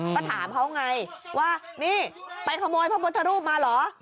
ก็ถามเขาไงว่านี่ไปขโมยพระพุทธรูปมาเหรอ